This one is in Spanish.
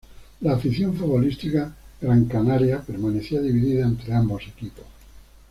La afición futbolística grancanaria permanecía dividida entre ambos equipos.